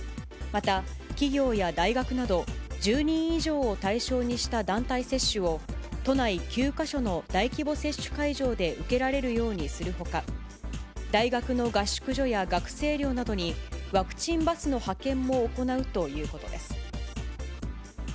また、企業や大学など、１０人以上を対象にした団体接種を、都内９か所の大規模接種会場で受けられるようにするほか、大学の合宿所や学生寮などにワクチンバスの派遣も行うということです。